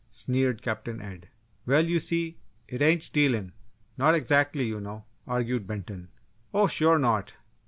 sneered Captain Ed. "Well, you see, it ain't stealin' not exactly, you know!" argued Benton. "Oh sure not!